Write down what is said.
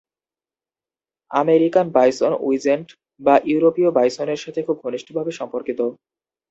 American bison wisent বা ইউরোপীয় বাইসনের সাথে খুব ঘনিষ্ঠভাবে সম্পর্কিত।